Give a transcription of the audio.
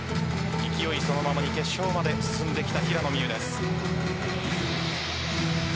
勢いそのままに決勝まで進んできた平野美宇です。